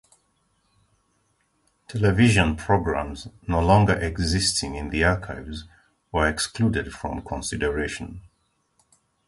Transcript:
Television programmes no longer existing in the archives were excluded from consideration.